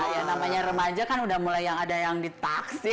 yang namanya remaja kan udah mulai yang ada yang ditaksir